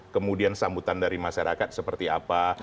kemudian sambutan dari masyarakat seperti apa